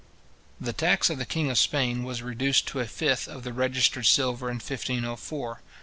The tax of the king of Spain was reduced to a fifth of the registered silver in 1504 {Solorzano, vol, ii.